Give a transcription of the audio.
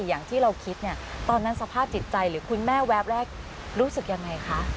อย่างที่เราคิดเนี่ยตอนนั้นสภาพจิตใจหรือคุณแม่แวบแรกรู้สึกยังไงคะ